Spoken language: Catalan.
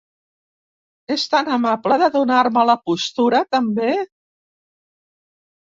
Ets tan amable de donar-me la postura, també?